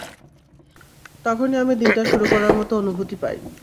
তখনই আমি দিনটা শুরু করার মতো অনুভূতি পাই।